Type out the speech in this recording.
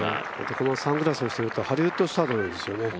このサングラスをしてるとハリウッドスターのようですよね。